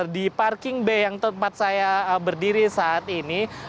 di parking bay yang tempat saya berdiri saat ini